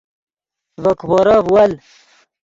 ڤے کیپورف ول